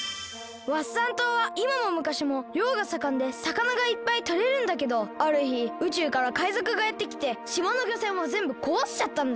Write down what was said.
ワッサン島はいまもむかしもりょうがさかんでさかながいっぱいとれるんだけどあるひ宇宙からかいぞくがやってきてしまのぎょせんをぜんぶこわしちゃったんだ。